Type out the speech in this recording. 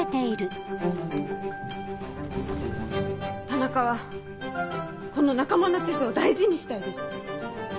田中はこの仲間の地図を大事にしたいです。